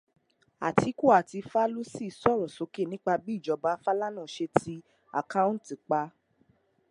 Àtíkù àti Fálúsì sọ̀rọ̀ sókè nípa bí ìjọba Fálànà ṣé ti àkáúntì pa.